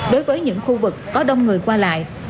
đối với những khu vực có đông người qua lại